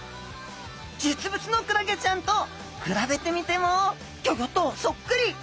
実物のクラゲちゃんと比べてみてもギョギョッとソックリ！